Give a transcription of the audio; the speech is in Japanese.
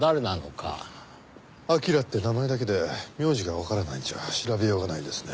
彬って名前だけで名字がわからないんじゃ調べようがないですね。